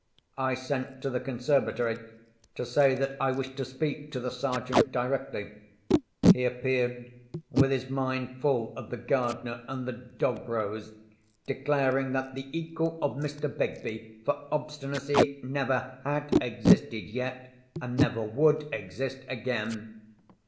I sent to the conservatory to say that I wished to speak to the Sergeant directly. He appeared, with his mind full of the gardener and the dog rose, declaring that the equal of Mr. Begbie for obstinacy never had existed yet, and never would exist again.